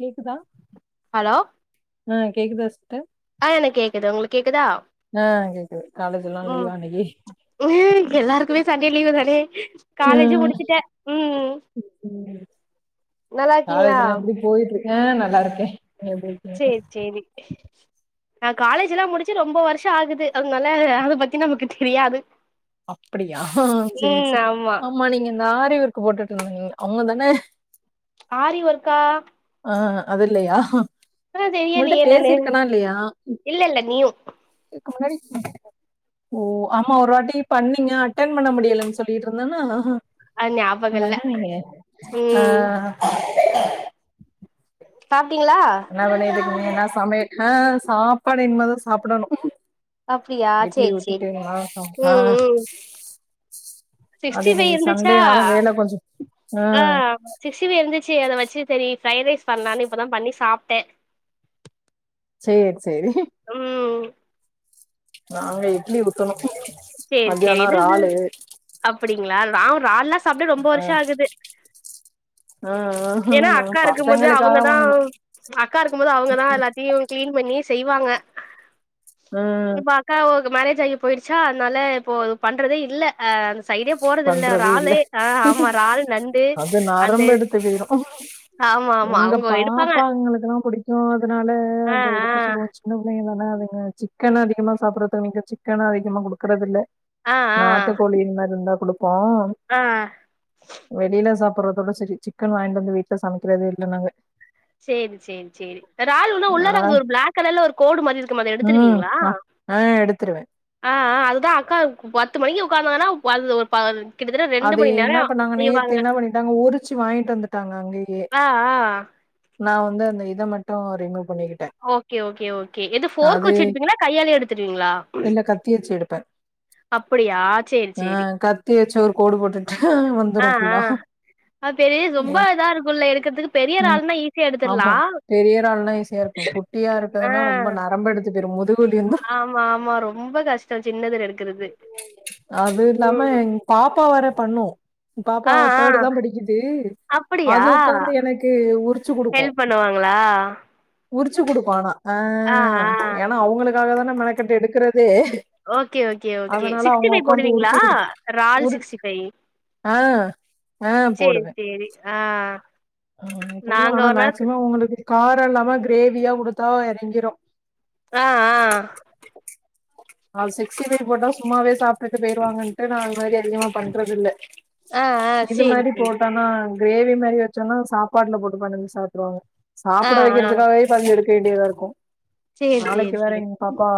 கேக்குதா ஹலோ ஆ கேக்குதா சிஸ்டர் ஆ எனக்கு கேக்குது உங்களுக்கு கேக்குதா அ கேக்குது காலேஜெல்லா லீவா இன்னக்கி இன்னிகி எல்லார்க்குமே சண்டே லீவு தானே காலேஜி முடிச்சுட்ட ம் நல்லார்க்கீங்ளா போயிட்ருக்க நல்லாருக்கே எப்டி இருக்கீங்க சேர் சேரி நா காலேஜெல்லா முடிச்சி ரொம்ப வருஷ ஆகுது அதுனால அத பத்தி நமக்கு டெரியாது அப்டியா சேரி சேர் ஆமா நீங்க ந்த ஆரி ஒர்க் போட்டுட்ருந்திங்க அவுங்க தான ஆரி ஒர்க்கா அ அதில்லையா ஆ ஒங்கள்ட்ட தெரியலையே நானு பேசிருக்கனா இல்லயா இல்ல இல்ல நியூ ஓ ஆமா ஒரு வாட்டி பண்ணீங்க அட்டன் பண்ண முடியலன் சொல்லிட்ருந்தன்னா னா அது ஞாபகோ இல்ல ஒடனே நீங்க அ ம் சாப்ட்டீங்ளா ன்னா பண்ணிட்ரிக்கிங்க ன்னா சமையல் அஅ சாப்பாடு இன்மேதா சாப்பிடணு அப்டியா இட்லி சேரி சேரி ஊத்திட்டீங்ளா சப் அ ம் ம் அது சிக்ஸ்டி ஃபைவ் இன்னேக் இருந்துச்சா சண்டேனால வேல கொஞ்சோ சிக்ஸிபை இருந்துச்சி அத வச்சு சரி ஃபிரைட் ரைஸ் பண்லானு இப்போதா பண்ணி சாப்ட்டே சேர் சேரி அம் நாங்க இட்லி உத்தணோ சேரி சேரி மத்தியானோ எது றாலு அப்டிங்களா நா றால் லா சாப்டு ரொம்ப ஆ வருஷோ ஆகுது ஆ ஏனா ஆ அக்கா இருக்கும்போது பசங்களுக்காக அவுங்கதா வாங்கணு அக்கா இருக்கும்போது அவுங்கதா எல்லாத்தியு கிளீன் பண்ணியே செய்வாங்க ம் இப்ப அக்கா ஒ மேரேஜ் ஆயிபோய்டுச்சா அனால இப்போ அத பண்றதே இல்ல ஆ அந்த சைடே போறது இல்ல றாளூ ஆ ஆமா றால் நண்டு அது அந்த நரம்பு எடுத்து போயிரு ஆமா ஆமா அவுங்கோ எடுப்பாங்க சோ அதனால ஆ அத எடுக்க சொல்லுவோ சின்ன புள்ளைங்கதான அதுங்கள வெச்சி சிக்கன் அதிகமா சாப்புட்றது நீங்க சிக்கனு அதிகமா குடுக்கறதில்ல ஆ ஆ நாட்டு கோழிமார் இருந்தா குடுப்போ ஆ வெளியில சாப்புறதோட செரி சிக்கன் வாய்ன்டு வந்து வீட்ல சமைக்கிறதே இல்ல நாங்க சேரி சேரி சேரி இறால் உள்ள ஆ உள்ளதாகிது ப்ளா க் கலர்ல ஒரு கோடு மாரி இருக்குமே அத ம் எடுத்துருவீங்களா ஆ எடுத்துருவே ஆ ஆ அதுதா அக்கா பத்து மணிக்கு உக்காந்தாங்கன்னா அது ஒரு ப கிட்டத்தட்ட ரெண்டு அது மணி இன்ன நேரோ பண்ணாங்க நேத்து செய்வாங்க என்ன பண்ணிடாங்க உரிச்சு வாங்கிட்டு வந்துட்டாங்க அங்கயே ஆ ஆ நா வந்து அந்த இத மட் ட்டு ரிமூ பண்ணிக்கிட்டே ஓகே ஓகே ஓகே எது ஃபோர்க் அது வச்சி எடுப்பீங்களா கையாலே எடுத்துருவீங்ளா இல்ல கத்தி வெச்சு எடுப்ப அப்படியா சேரி ஆ சேரி கத்தி வச்சு ஒரு கோடு போட்டுட்டு ஆ வந்துரு ஆ ஃபுல்லா அது பெரிய ரொம்ப ம் இதா இருக்குல்ல எடுக்கறதுக்கு பெரிய ம். இறால்னா ஈஸியா ஆமா எடுத்துர்லா பெரிய இறால்னா ஈஸியா இருக்கு குட்டியா ஆ இருக்குதுன்னா ரொம்ப நரம்பு எடுத்து போய்ரோ முதுகுவலி வந்துரு ஆமா ஆமா ரொம்ப கஷ்டோ சின்னதுல எடுக்குறது அது இல்லாம எங் பாப்பா வேற பண்ணு எங் பாப்பா ஆ ஆ தர்டு தா படிக்குது அப்படியா அது உக்காந்து எனக்கு உர் ஹெல்ப் பண்ணுவாங்களா உரிச்சு குடுப்பா ஆனா அ ஆ ஆ ஏன்னா அவுங்களுக்காக தான மெனக்கட்டு எடுக்கறதே ஓகே ஓகே ஓகே அதனால சிக்ஸ்டி அவங்க ஃபை உக்காந்து உரிச்சு போடுவீங்களா குடுத்து இறால் ஒரு சிக்ஸ்டி ஃபை ஆ ஆ போடுவே சேரி ஆ அ போடுவ நாங்க ஆனா ஒரு நாள் மேக்சிமம் அவுங்களுக்கு காரோ இல்லாம கிரேவியா குடுத்தா எறங்கிரு ஆ ஆ அது சிக்ஸ்டி ஃபை போட்டா சும்மாவே சாப்ட்டுட்டு போயிருவாங்கன்ட்டு நா அந்தமாரி அதிகமா பண்றது இல்ல ஆ ஆ இது சேரி மாரி சேரி போட்டனா கிரேவி மாரி வெச்சோனோ சாப்பாட்டுல போட்டு பெனஞ்சி சாப்ட்ருவாங்க ஆ சாப்புட ஆ வெக்கற்துகாகவே பாதி எடுக்க வேண்டியதா இருக்கு சேரி நாளைக்கு சேரி வேற சேரி எங் பாப்பா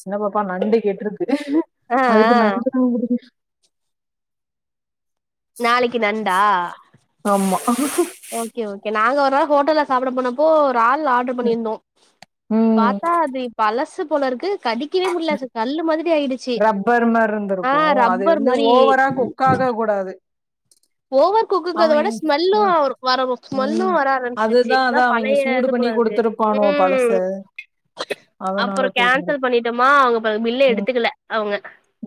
சின்ன பாப்பா நண்டு கேட்ருக்கு ஆ அதுக்கு ஆ நண்டுனா புடிக்கு நாளைக்கி நண்டா ஆமா ஓகே ஓகே நாங்க ஒரு நாள் ஹோட்டல்ல சாப்ட போனப்போ இறால் ஆர்டரு பண்ணியிருந்தோ ம் பாத்தா அது பழசு போல இருக்கு கடிக்கவே முடியல கல்லு மாதிரி ஆயிடுச்சு ரப்பர் மார் ஆ இருந்திருக்கோ அது ரப்பர் வந்து மாரி ஓவரா குக் ஆக கூடாது ஓவர் குக்குங்றத விட அவ ஸ்மெல்லு வரவு ம். ஸ்மெல்லு வர ஆரம்பிச்சிருச்சி அதா பழைய இது போல இருக்கு பாணுவோ ம் பழசு அப்றோ கேன்சல் பண்ணிட்டோமா அவுங்க ப பில்ல ம், எடுத்துக்கல அவுங்க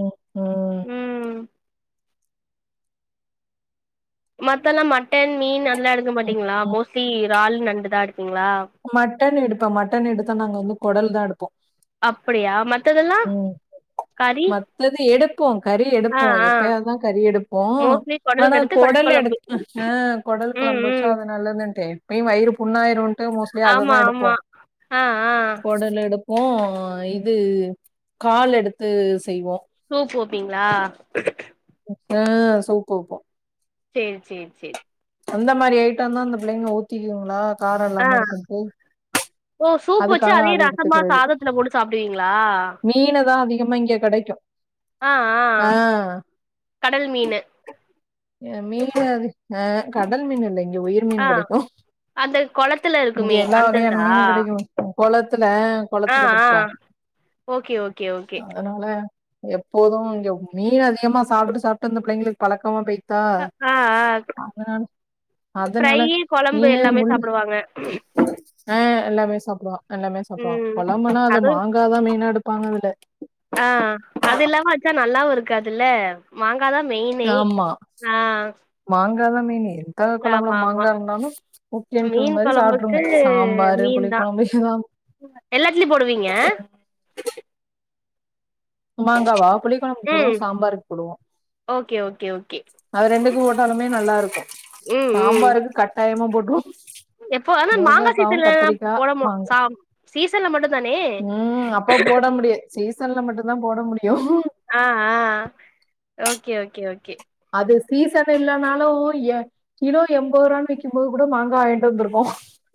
ம், ம், ம் மத்த எல்லா மட்டன் மீன் அதெல்லா எடுக்க ம், மாட்டீங்களா ம். மோஸ்லி இறால் நண்டுதா எடுப்பீங்களா மட்டன் எடுப்பே மட்டன் எடுத்தா நாங்க வந்து குடல் தா எடுப்போ அப்டியா மத்ததெல்லா கறி அதது எடுப்போ கறி ஆ எடுப்போ ஆ எப்பயாவ்து தா கறி எடுப்போ மோஸ்ட்லி ஆனா குடல் எடுத்து குடல் கொழம்பு எடுபா ஆ குடல் ம் கொழம்பு வச்சா ம் அது நல்லதுன்ட்டு இப்பயு வயிறு புண்ணாயிரும்ட்டு மோஸ் ஆமா அததா எடுப்போ ஆமா ஆ ஆ குடல் எடுப்போ இது கால் எடுத்து செய்வோ சூப் வெப்பீங்களா அ சூப் வெப்போ சேரி சேரி சேரி அந்த மாரி ஐட்டந்தா இந்த பிள்ளைங்க ஊத்திக்குங்களா காரோ ஆ இல்லாம இருக்குறக்கு ஓ சூப் வச்சு அதே ரசமா சாதத்துல போட்டு சாப்டுவீங்களா மீனு தா அதிகமா இங்க கிடைக்கு ஆ ஆ கடல் மீனு மீனு அது ஆ கடல் மீன் இல்லைங்க உயிர் ஆ மீன் கிடக்கு அந்த கொளத்துல இங்க இருக்குமே எல்லா வகையான அந்ததா மீனு கிடைக்கு கொளத்துல ஆ குளத்துல புடிப்பாங்க ஓகே ஓகே ஓகே அதனால எப்போது இங்க மீன் அதிகமா சாப்ட்டு சாப்ட்டு அந்த பிள்ளைங்களுக்கு பழக்கமா போய் தா அதலனா ஃப்ரையு கொழம்பு எல்லாமே சாப்டுவாங்க அ எல்லாமே சாப்புடுவா எல்லாமே சாப்புடுவாங் ம் கொழம்புனா அது மாங்காதா மெயினா எடுப்பாங்க அதுல ஆ அது இல்லாமா வெச்சா நல்லாவு இருக்காதுல்ல மாங்காதா மெயினே ஆ மாங்காதா மெயினே தேங்கா கொழம்புல ஆமா ஆமா மாங்கா இருந்தாலு ஓகேன்ற மீன் மாரி கொழம்புக்கு சாப்ட்டுருங்க சாம்பாரு மீன் புளி தா கொழம்பு எதா எல்லாத்துலயு போடுவீங்க மாங்காவா புளிக்கொழம்புக்கு போடுவோ ம் சாம்பாருக்கு போடுவோ ஓகே ஓகே ஓகே அது ரெண்டுக்கு போட்டாலுமே நல்லா இருக்கூ ம் ம் சாம்பாருக்கு கட் டாயமா போட்டுருவோ எப்போ ஆனா மாங்கா முருங்கக்காவு சீசன்ல கத்திரிக்கா போடமா மாங்கா சா சீசன்ல மட்டு தானே ம் இப்போ போட முடியாது சீசன்ல மட்டும்தா போட முடியு ஆ ஆ ஆ ஓகே ஓகே ஓகே அது சீசன் இல்லனாலு ஏ கிலோ எண்பது ரூபானு விக்கும்போது கூட மாங்காய் வாங்கிட்டு வந்து இருக்கோ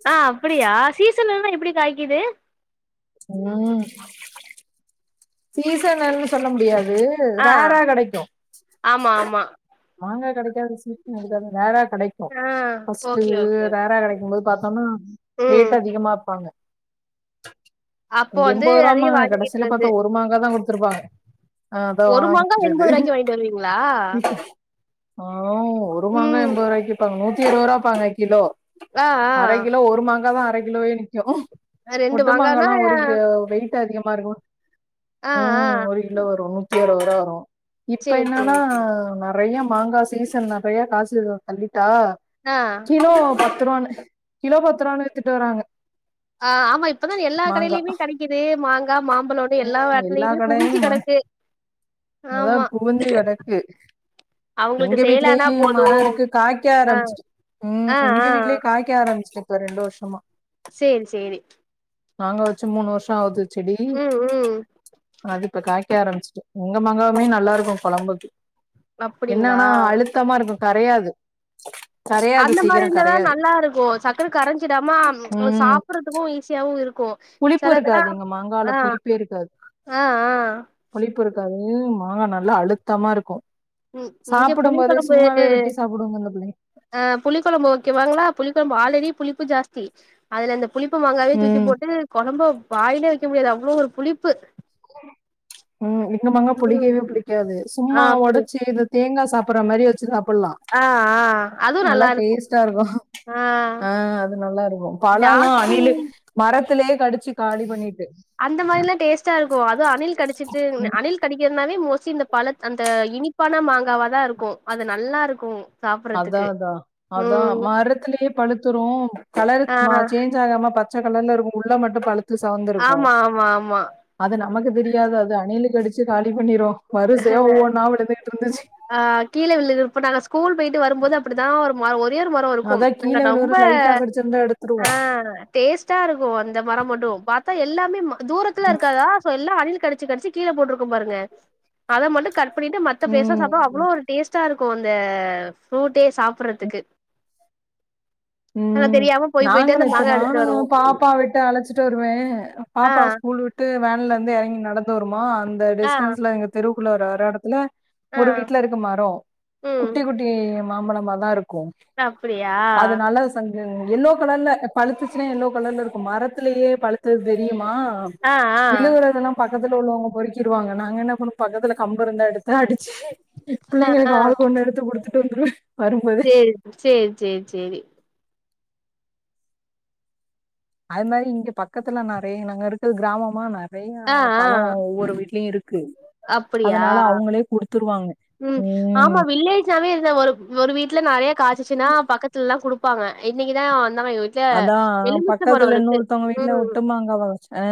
ஆ அப்டியா சீசன் இல்லனா எப்டி காய்க்கிது ம் சீசன்னு சொல்ல முடியாது ஆ ரேரா கிடைக்கு ஆமா ஆமா மாங்கா கிடைக்காத சீசன்ல என்க்கது ரேரா கிடைக்கும் ஆ ஃபர்ஸ்ட்டு ஓகே ஓகே ரேரா கிடைக்கும் போது பாத்தோம்னா ம் ரேட் அதிகமா விப்பாங்க அப்போ வந்து அதையு எம்போருபாம்பாங்க வாங்கிட்டு கடைசியில வந்து பாத்தா ஒரு மாங்கா தா கொடுத்துருப்பாங்க ஆ அதா ஒரு மாங்கா வாங்கிக்கிறது எண்பது ரூவாய்க்கு வாங்கிட்டு வருவீங்களா ஆ ஒரு மாங்கா ம் எம்பது ரூபாய்க்கு விப்பாங்க நூத்தி இருபது ரூபா விப்பாங்க கிலோ ஆ அரைக் கிலோ ஒரு மாங்காய் தா அரை கிலோவே நிக்கு ஆ ரெண்டு ஒட்டுமாங்க மாங்கானா எல்லா ஒரு கிலோ வெயிட் ரேட்டு அதிகமா இருக்கு ஆ ஆ ம் ஒரு கிலோ வரு நூத்தி அறுபது ரூபா வரு இப்ப சேரி என்னன்னா சேரி நிறயா மாங்காய் சீசன் நிறயா காசு இவ தள்ளிட்டா ஆ கிலோ பத்ரூவானு கிலோ பத்ரூவான்னு வித்துட்டு வராங்க ஆ ஆமா இப் இப்பதான் எல்லா மாங்கா கடயிலயுமே கெடைக்கிது மாங்கா மாம்பழோனு எல்லா எடத்துலயுமே குவிஞ்சு கிடக்கு அதா குவிஞ்சி கெடக்கு எங்க அவங்களுக்கு சேல் ஆனா வீட்லயும் போதும் மரம் இருக்கு காய்க்க ஆ ஆரம்பிச்சுட் ம் ஆ எங்க ஆ வீட்லயும் காய் க்க ஆரம்பிச்ட்டு இப்ப ரெண்டு வர்ஷமா சேரி சேரி நாங்க வச்சு மூணு வருஷோம் ஆவுது செடி ம் ம் அது இப்ப காய்க்க ஆரம்பிச்ட்டு எங்க மங்காவுமே நல்லாருக்கும் கொழம்புக்கு அப்டிங்களா என்னானா அழுத்தமாருக்கும் கரயாது அந்த மாரி இருந்ததான் நல்லாருக்கும் சக்குனு கரஞ்சிடாம அது ம் சாப்டறதுக்கும் ஈஸியாவும் இருக்கும் புளிப்பு செலதெல்லா இருக்காது எங்க மாங்கால ஆ புளிப்பே இருக்காது ஆ ஆ புளிப்பு இருக்காது மாங்கா நல்லா அழுத்தமா இருக்கு ம் இங்க சாப்டும் மோதே சும்மாவே வெட்டி சாப்புடுங்க எங்க பிள்ளைங்க அ புளி கொழம்பு ஓகேவாங்ளா புளி கொழம்பு ஆல்ரெடி புளிப்பு ஜாஸ்தி அதுல இந்த ப் புளிப்பு மாங்காவே தூக்கி ம் போட்டு கொழம்ப வாயிலே வைக்க முடியாது அவ்ளோ ஒரு புளிப்பு ம் எங்க மாங்கா ம் புளிக்கவே புளிக்காது ஆ சும்மா அப்டி ஒடச்சி இது தேங்கா சாப்ற மாரி வச்சு சாப்டலா ஆ ஆ அதுவு நல்லா இருக்கு டேஸ்டா இருக்கும் ஆ அது நல்லா இருக்கு பழல்லாம் ஜாஸ்தி அணிலு மரத்திலுயே கடிச்சி காலி பண்ணிட்டு அந்த மாரிலா டேஸ்ட்டா இருக்கும் அதும் அணில் கடிச்சிட்டு ம் அணில் கடிக்கிறதுனாவே மோஸ்ட்லி இந்த பழ அந்த இனிப்பான மாங்காவா தான் இருக்கும் அது நல்லா இருக்கும் அதான் அதான் அதான் மரத்திலே பழுத்துரும் கலர்க் ஆ ம சேஞ் சாகாம பச்ச கலர்ல இருக்கும் உள்ள மட்டும் பழுத்து செவந்திருக்கும் ஆமா ஆமா ஆமா அது நமக்கு தெரியாது அது அணிலுக்கு கடிச்சு காலி பண்ணிரும் வருசயா ஒவ்வொன்னா விழுந்துகிட்டுருந்துச்சு ஆ கீழ விழுகிறப்ப நாங்க ஸ் கூல் போயிட்டு வரும்மோது அப்டிதான் ஒரு மரோ ஒரே ஒரு மரோம் இருக்கும் அங்க நொம்ப எடுத்துறுவோம் டேஸ்ட்டா இருக்கும் அந்த மரோ மட்டும் பாத்தா எல்லாமே ம தூரத்துல ம் இருக்காதா சோ எல்லா அணில் கடிச் கடிச்சி கடிச்சி கீழ போட்ருக்கூம் பாருங்க அத மட்டும் கட் பண்ணிட்டு மத்த பெருசா சாப்ட்டா ம் அவ்வளோவு ஒரு டேஸ்ட்டா இருக்கும் அந்த ஃப்ரூட்டே சாப்புறதுக்கு ஆன தெரியா நாங்களும் இத்த நாலும் பாப்பா விட்டு அலச்சிட்டு வருவன் ஆ பாப்பா ஸ்கூல் விட்டு விட்டு வேன்லருந்து எறங்கி நடந்து வரும அந்த ஆ டிஸ்டன்ஸ்ல எங்க தெருவுக்குள்ள ஒரு வர எடத்துல ஆ ஒரு வீட்லருக்கு மரோம் ம் குட்டி குட்டி மாம்பழமாதான் இருக்கும் அ அப்டியா? நல்லா சஞ்சு எல்லோ கலர்ல பழுத்துச்சுனா எல்லோ கலர்ல் இருக்கும் மரத்திலயே பழுத்தது தெரியுமா ஆ ஆ விழுகறதெல்லாம் பக்கத்துல உள்ளவங்க பொறிக்கிருவாங்க நாங்க என்ன பண்வோம் பக்கத்துல கம்புருந்தா எடுத்து அடிச்சி எ ஆ ஆ புள்ளைங்களுக்கு ஆளூக்கொன்னு எடுத்து குடுத்துட்டு வந்துருவேன் வரும்போது செரிப் சேரி சேரி சேரி அது மாரி இங்க பக்கத்துல நறைய நாங்க இருக்கறது கிராமமா ந நெறையா ஆ ஆ பழோம் ஒவ்வொரு வீட்லயும் இருக்கு அப்டியா அதனால அவுங்களே குடுத்துருவாங்க ம் ஆமா வில்லேஜ் நல்லாவே இல்ல ஒரு ஒரு வீட்ல நெறய காச்சு சுன்னா பக்கத்துலல்லா குடுப்பாங்க இன்னைக்குதா அந்த மாரி இது அதா பக்கத்துல இன்னொருத்தவங்க வீட்ல ம் ஒட்டுமாங்கவ வச்ச அ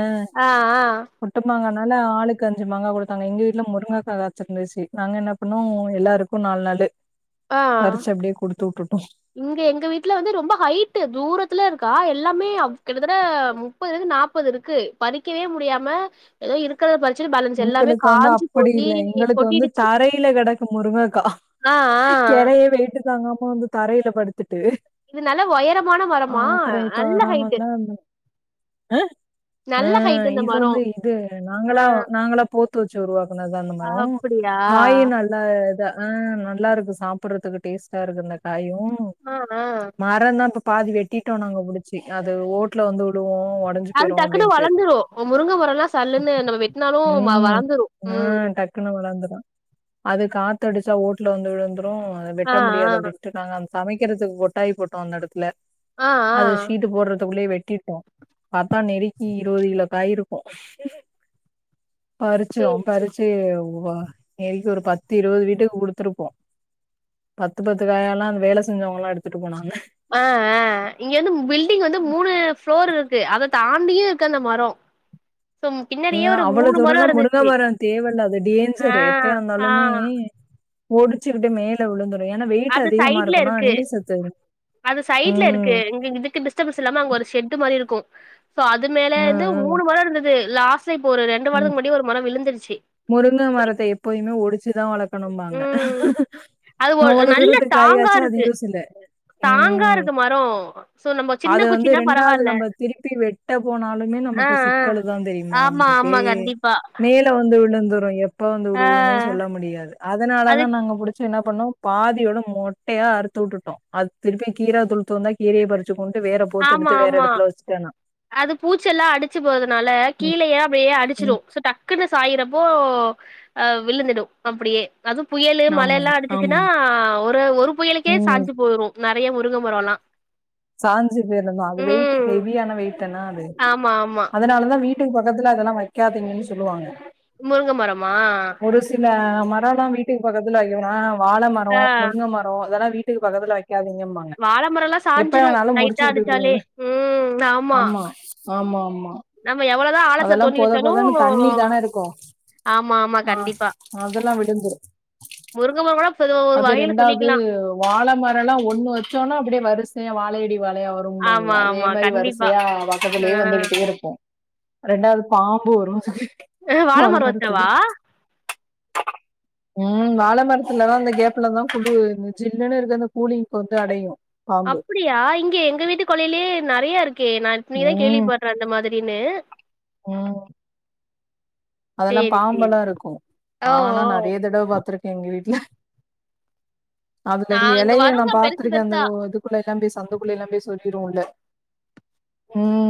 ஆ ஆ ஒட்டு மாங்கானால ஆளுக்கு அஞ்சு மாங்கா கொடுத்தாங்க எங்க வீட்ல முருங்கக்கா காய்ச்சிர்ந்துச்சு நாங்க என்னப் பண்ணுவோ எல்லாருக்கு நாலு நாலு ஆ பறிச்சு அப்டியே கொடுத்து விட்டுட்டோ இங்க எங்க வீட்ல வந்து ரொம்ப ஹைட்டு தூரத்துல இருக்கா எ எல்லாமே அவ் கிட்டத்தட்ட முப்பதுலேர்ந்து நாப்பதுருக்கு பறிக்கவே முடியாம ஏதோ இருக்கிறத பரிச்சுட்டு பேலன்ஸ் எல்லாமே எங்களுக்கு காஞ்சு போய் கொட்டிடுச்சு கிழ கெடக்கு முருங்கக்கா ஆ ஆ கேரயே வெயிட்டு தாங்காம வந்து தரையில படுத்துட்டு இது நல்ல ஒயரமான அ மரமா அப்புற இப்ப நல்ல நாங்க ஹைட்டு வந்தா அந்த அ ஆ நல்ல ஹைட்டு இந்த இது மரோ வந்து இது ஆ நாங்களா நாங்களா போத்து வச்சு உருவாக்குனது தா இந்த மரோ அப்படியா காயினா நல்லா இத ஆ நல்லா இருக்கு சாப்டறதுக்கு டேஸ்ட்டா இருக்கு இந்த காயு ஆ மரம் தா இப்ப பாதி வெட்டிட்டோ நாங்க புடிச்சு அது ஓட்ல வந்து விழுவு உடஞ்சு அது டக்குன்னு வளர்ந்துரு முருங்க மரோ எல்லா சல்லுன்னு நம்ம வெட்டினாலு வளர்ந்துரு ம் டக்குனு வளந்துரு அது காத்தடிச்சா ஓட்ல வந்து விழுந்துரு அத ஆ வெட்ட ஆ முடியாது அப்டி விட்ருங்காங்க அ சமக்கிறதுக்கு கொட்டாயி போட்டோ அந்த எடத்துல ஆ ஆ அது ஷீட்டு போடுறதுக்குள்ளேயே வெட்டிட்டோ பாத்தா நெருக்கி இருபது கிலோ காய் இருக்கு பறிச்சோ சேரி பறிச்சு நெரிக்கு ஒரு பத்து இருபது வீட்டுக்கு குடுத்துருப்போ பத்து பத்து காயால்லா அந்த வேல செஞ்சவங்கல்லா எடுத்துட்டு போனாங்க ஆ ஆ அ இங்க வந்து பில்டிங் வந்து மூணு ஃப்ளோர் இருக்கு அத தாண்டியே இருக்கு அந்த மரோ சோ பின்னாடியே அ ஒரு அவ்ளோ மூணு மரோ தூரல்லா முறுங்க இருந்துச்சு மரோ தேவ இல்லாதது அது ஆ டேஞ்சரு எப்யா ஆ இருந்தாலுமே ஒடிச்சுக்கிட்டு மேல் கிழ விழுந்துரு ஏன்னா வெயிட் அது அதிகமா சைட்ல இருக்கும்னா இருக்கு நீர் சத்து அது சைட்ல இருக்கு ம் இங்க இதுக்கு டிஸ்டரன்ஸ் இல்லாம அங்க ஒரு ஷட் மாரி இருக்கு சோ அது மேல ம் வந்து ம் மூணு மரோ இருந்தது லாஸ் இப்ப ஒரு ரெண்டு ம் வாரத்துக்கு முன்னாடி ஒரு மரோ விழுந்துடுச்சு முருங்க மரத்த எப்போயுமே ஒடிச்சுதா வளக் கனும்பாங்க ம் அது ஒரு அவ்ளோ தூரத்து காய்காச்சா அது யூஸ் இல்ல ஸ்ட்ரோங் ஆ ம் இருக்கு மரோ சோ நம்ம சின்ன அது வந்து குச்சின்னா பெரவால்ல நம்ம திருப்பி வெட் கட்ட போனாலுமே நமக்கு சிக்கலு தா தெரியுமா ஆமா உங்களுக்கு ஆமா கண்டிப்பா மேல வந்து விழுந்துரு எப் எப்ப வந்து ஆ விழுவுதுனே சொல்ல முடியாது அதனால அது தா நாங்க புடிச் ஃப்ர்ஸ்டு என்ன பண்ணோ பாதியோட மொட்டயா அறுத்து விட்டுட்டோ அது திருப்பி கீரா துளுத்து வந்தா [unintelligible] கீரய பறிச்சு போம்ட்டு வேற போத்து ஆமா எடுத்து வேற ஆமா எடத்துல வச்சுட்டாங்க அது பூச்செல்லா அடிச்சு போதுனால ம், கீழேயே அப்டியே அடிச்சிரு ம். சோ டக்குன்னு சாயிர ஒ விழுந்துடு அப்டியே அதும் புயலு ஆமா, மழலா அடிச்சுச்சுன்னா ஆமா. ஒரு ஒரு புயலுக்கே ம். சாஞ்சு போயிடு நறைய முருங்க மரோல்லா சாஞ்சு போய் இருந்தோம் அது வெயிட் ம் ஹெவியான வெயிடிட்டனா அது ஆமா ஆமா அதனாலதா வீட் வீட்டுக்கு பக்கத்துல அதெல்லா வைக்காதீங்கன்னு சொல்லுவாங்க முருங்க மரமா ஒரு சில மரோல்லா வீட்டுக்கு பக்கத்துல வைக்கணுனா வாழ மரோ ஆ முருங்க மரோ அதல்லா வீட்டுக்கு பக்கத்துல வைக்காதீங்கன்பாங்க வாழமரலா சாஞ்சிறு லைட்டா அடிச்சாலே ம் ஆமா ஆமாமா நம்ம எவ்வளதா ஆழத்துல அதெல்லா தோண்டி போத போதன்னு தண்ணி வச்சாலு தான இருக்கு ஆமா ஆமா ஆ கண்டிப்பா அதெல்லா விடிஞ்சிரு முருங்க மரம் கூட பொதுவா ஒரு அதே வகையில ரெண்டாவ்து சொல்லிக்கலா. வாழ மரலா ஒண்ணு வெச்சோனா அப்டியே வருசயா வாழையடி வாழையா வரு ஆமாங்க ஆமா அதே ஆமா மாரி கண்டிப்பா. வரிசயா வக்கத்திலே வந்துகிட்டே இருக்கு ரெண்டாவது பாம்பு வரு சொல்ட்டு ஆ வாழ மர வச்சாவா ம் வாழ மர்த்துலதா அந்த கேப்ல தா குலு ஜில்லுன்னு இருக்க அந்த கூலிங்கு வந்து அடயு அப்டியா இங்க எங்க வீட்டு கொல்லைலே நறைய இருக்கே நா இப்ப இனிக்குதா ம் கேள்விப்பட்ற அந்த மாதிரின்னு ம் அதெல்லா சேரி, சேரி. பாம்பெல்லா இருக்கோ ஓ! நாங்லா ஓ! நறைய தடவ பாத்திருக் எங்க வீட்ல அதுல நாங்க இலைய நா வருங்க பெருசு பாத்திருக்க அந்த பெருசா ஒ இது குள்ளேலா போய் சந்து குள்ளேலா போய் சொறிவிடுவோல ம்